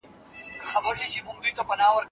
زما د نصیب جامونه څرنګه نسکور پاته دي